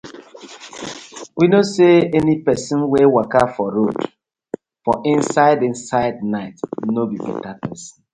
We kno say any pesin wey waka for road for inside inside night no bi beta pesin.